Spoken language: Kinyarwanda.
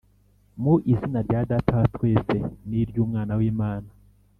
mu izina rya Data wa twese niryUmwana wImana